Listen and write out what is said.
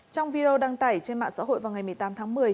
trong video đăng tải trên mạng xã hội vào ngày một mươi tám tháng một mươi